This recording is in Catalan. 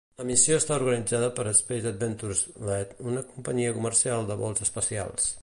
La missió està organitzada per Space Adventures Ltd., una companyia comercial de vols espacials.